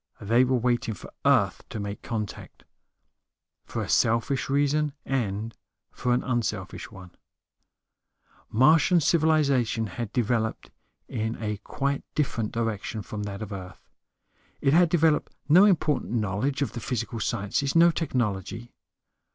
They were waiting for Earth to make contact, for a selfish reason and for an unselfish one. Martian civilization had developed in a quite different direction from that of Earth. It had developed no important knowledge of the physical sciences, no technology.